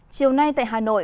chiều nay tại hà nội